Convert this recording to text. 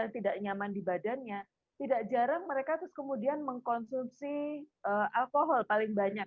tidak nyaman di badannya tidak jarang mereka terus kemudian mengkonsumsi alkohol paling banyak